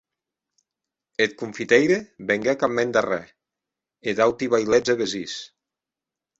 Eth confiteire venguec ath mèn darrèr, e d'auti vailets e vesins.